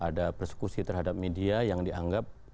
ada persekusi terhadap media yang dianggap